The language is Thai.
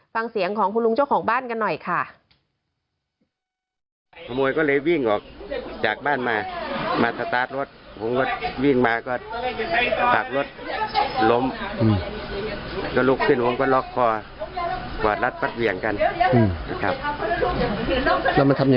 ฟังเสียงของคุณลุงเจ้าของบ้านกันหน่อยค่ะ